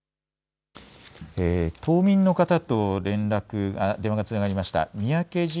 島民の方と電話がつながりました。